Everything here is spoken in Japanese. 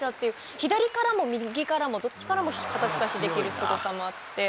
左からも右からもどっちからも肩透かしできるすごさもあって。